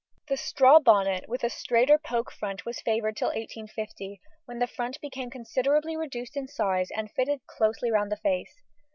The straw bonnet with a straighter poke front was favoured till 1850, when the front became considerably reduced in size and fitted closely round the face.